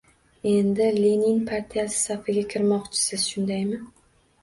— Endi, Lenin partiyasi safiga kirmoqchisiz, shundaymi?